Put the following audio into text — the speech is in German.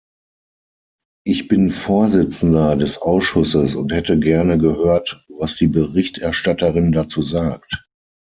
Ich bin Vorsitzender des Ausschusses und hätte gerne gehört, was die Berichterstatterin dazu sagt.